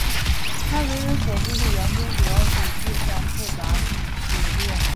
他为人所知的研究主要是计算复杂性理论和。